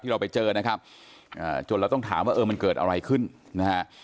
เราไปเจอนะครับจนเราต้องถามว่าเออมันเกิดอะไรขึ้นนะฮะ